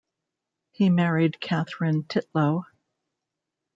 He married Catherine Titlow.